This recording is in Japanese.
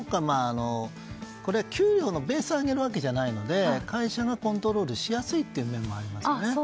これは給与のベースを上げるわけではないので会社がコントロールしやすい面もありますね。